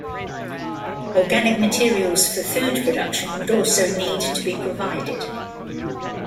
Organic materials for food production would also need to be provided.